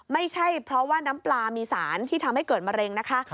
ไม่ใช่เพราะว่าน้ำปลามีสารที่ทำให้เกิดมะเร็งนะคะ